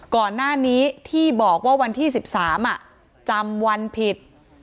ก่อนหน้านี้ที่บอกว่าวันที่๑๓จำวันผิด